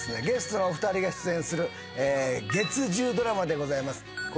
ゲストのお二人が出演する月１０ドラマでございます。